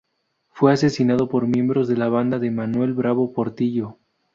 Fue asesinado por miembros de la banda de Manuel Bravo Portillo.